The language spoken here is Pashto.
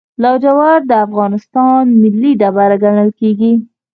لاجورد د افغانستان ملي ډبره ګڼل کیږي.